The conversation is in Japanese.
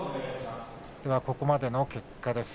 ここまでの結果です。